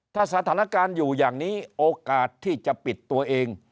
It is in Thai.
ถ้าสถานการณ์อยู่อย่างนี้โอกาสที่จะปิดตัวเอง